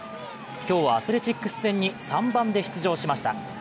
今日はアスレチックス戦に３番で出場しました。